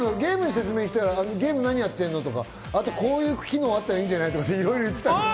ゲーム何やってんの？とかこういう機能あったらいいんじゃない？とかいろいろ言ってたよ。